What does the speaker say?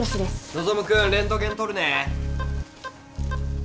希君レントゲンとるね。